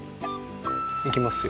いきますよ。